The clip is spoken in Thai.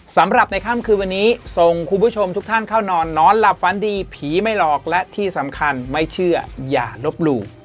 สำหรับในค่ำคืนวันนี้ส่งคุณผู้ชมทุกท่านเข้านอนนอนหลับฝันดีผีไม่หลอกและที่สำคัญไม่เชื่ออย่าลบหลู่